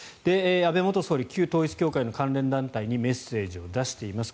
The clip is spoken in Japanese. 安倍元総理旧統一教会の関連団体にメッセージを出しています。